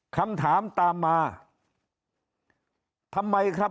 คำถามตามมาทำไมครับ